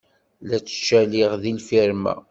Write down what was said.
La ttcaliɣ deg lfirma.